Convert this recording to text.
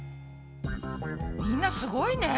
みんなすごいね！